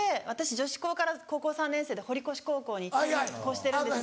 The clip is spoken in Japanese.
女子校から高校３年生で堀越高校に転校してるんですけど。